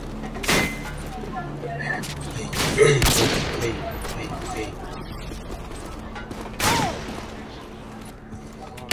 Running a processor at high clock speeds allows for better performance.